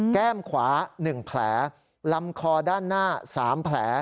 แก้มขวา๑แผลลำคอด้านหน้า๓แผล